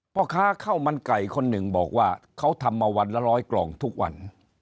พ่อค้าข้าวมันไก่คนหนึ่งบอกว่าเขาทำมาวันละร้อยกล่องทุกวัน